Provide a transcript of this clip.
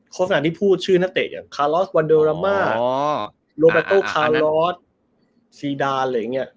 ลักษณะที่พูดชื่อนักเตะอย่างคาลอสวันโดรามาโลบาโต้คารอสซีดานอะไรอย่างนี้